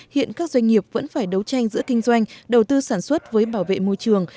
hiện các doanh nghiệp vẫn phải đấu tranh giữa kinh doanh đầu tư sản xuất với bảo vệ môi trường